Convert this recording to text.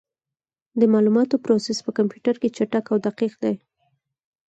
د معلوماتو پروسس په کمپیوټر کې چټک او دقیق دی.